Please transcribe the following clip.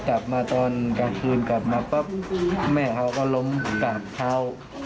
กลับมาตอนกลางคืนกลับมาปั๊บแม่เขาก็ล้มกราบเท้า